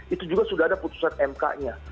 itu juga sudah ada putusan mk nya